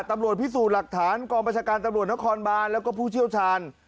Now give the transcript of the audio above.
ตำรวจพิสูจน์หลักฐานกองประชาการตำรวจนครบานแล้วก็ผู้เชี่ยวชาญ